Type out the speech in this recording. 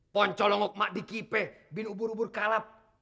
poncolongok mak dikipe bin ubur ubur kalap